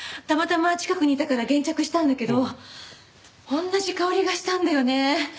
たまたま近くにいたから現着したんだけど同じ香りがしたんだよね